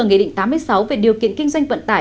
nghị định tám mươi sáu về điều kiện kinh doanh vận tải